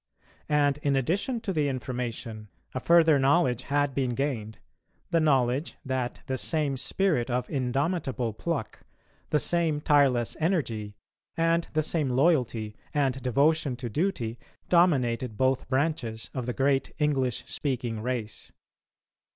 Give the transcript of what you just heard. And, in addition to the information, a further knowledge had been gained, the knowledge that the same spirit of indomitable pluck, the same tireless energy, and the same loyalty and devotion to duty dominated both branches of the great English speaking race.